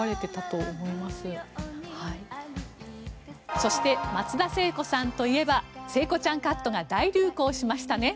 そして松田聖子さんといえば聖子ちゃんカットが大流行しましたね。